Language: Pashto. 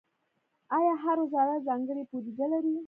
آیا هر وزارت ځانګړې بودیجه لري؟